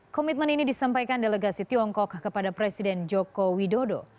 komitmen ini disampaikan delegasi tiongkok kepada presiden joko widodo